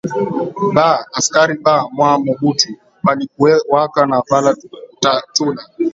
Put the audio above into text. Ba askari ba mwa mobutu balikuwaka na vala tuputula